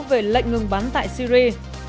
về lệnh ngừng bắn tại syri